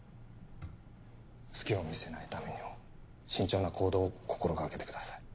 隙を見せないためにも慎重な行動を心がけてください。